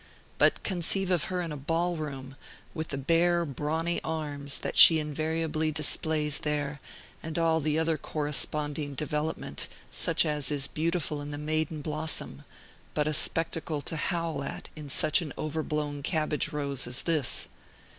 But conceive of her in a ball room, with the bare, brawny arms that she invariably displays there, and all the other corresponding development, such as is beautiful in the maiden blossom, but a spectacle to howl at in such an over blown cabbage rose as this.